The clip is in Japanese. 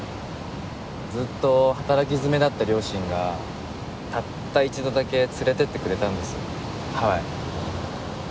ずっと働き詰めだった両親がたった一度だけ連れていってくれたんですハワイ。